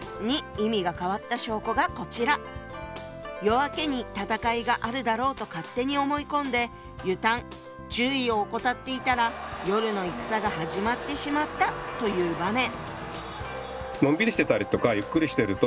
夜明けに戦いがあるだろうと勝手に思い込んで「ゆたむ」注意を怠っていたら夜の戦が始まってしまったという場面。